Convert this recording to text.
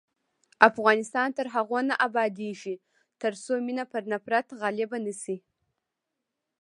افغانستان تر هغو نه ابادیږي، ترڅو مینه پر نفرت غالبه نشي.